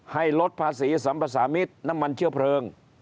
ลดภาษีสัมภาษามิตรน้ำมันเชื้อเพลิง